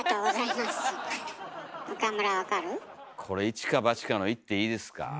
これ一か八かのいっていいですか？